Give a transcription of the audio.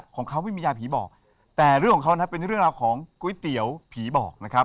ของเขาไม่มียาผีบอกแต่เรื่องของเขานะครับเป็นเรื่องราวของก๋วยเตี๋ยวผีบอกนะครับ